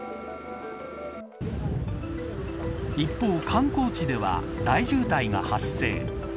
一方、観光地では大渋滞が発生。